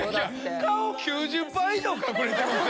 顔９０％以上隠れてる！